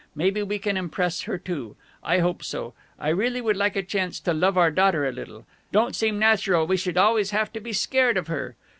Maybe we can impress her, too. I hope so. I really would like a chance to love our daughter a little. Don't seem natural we should always have to be scared of her.